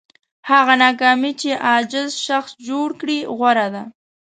هغه ناکامي چې عاجز شخص جوړ کړي غوره ده.